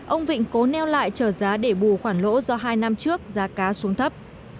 ông vịnh cố neo lại trở giá để bù khoản lỗ do hai năm trước giá cá xuống thấp